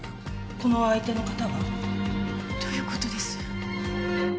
この相手の方は？どういう事です？